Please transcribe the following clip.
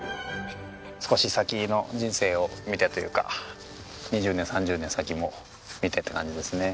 少し先の人生を見てというか２０年３０年先も見てって感じですね。